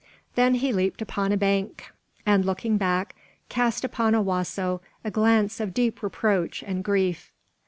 Then he leaped upon a bank, and looking back, cast upon Owasso a glance of deep reproach and grief.